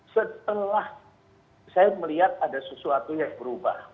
setelah saya melihat ada sesuatu yang berubah